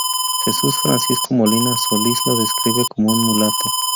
Juan Francisco Molina Solís lo describe como un mulato.